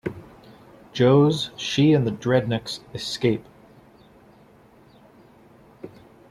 Joes, she and the Dreadnoks escape.